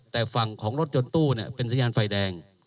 แต่ฝั่งของรถยนต์ตู้เป็นสัญญาณไฟแดง